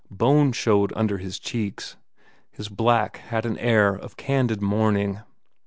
Bone showed under his cheeks. His black had an air of candid mourning.